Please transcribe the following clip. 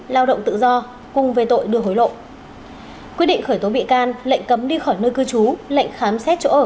lao động tự do cùng về tội đưa hối lộ quyết định khởi tố bị can lệnh cấm đi khỏi nơi cư trú lệnh khám xét chỗ ở